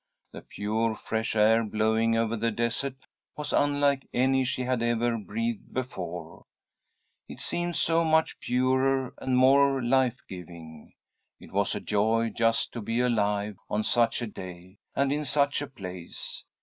The pure, fresh air blowing over the desert was unlike any she had ever breathed before, it seemed so much purer and more life giving. It was a joy just to be alive on such a day and in such a place.